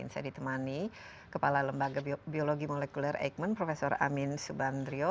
saya ditemani kepala lembaga biologi molekuler eijkman prof amin subandrio